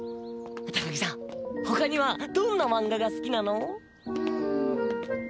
高木さんほかにはどんな漫画が好きなの？